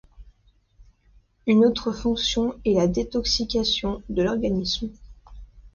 Une autre fonction est la détoxication de l'organisme.